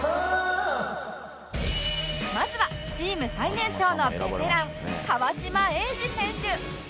まずはチーム最年長のベテラン川島永嗣選手